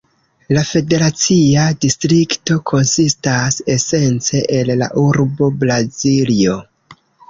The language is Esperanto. La federacia distrikto konsistas esence el la urbo Braziljo.